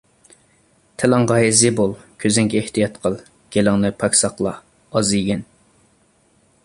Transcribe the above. تىلىڭغا ھېزى بول، كۆزۈڭگە ئېھتىيات قىل. گېلىڭنى پاك ساقلا، ئاز يېگىن.